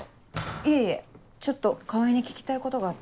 いえいえちょっと川合に聞きたいことがあって。